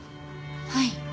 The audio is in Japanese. はい。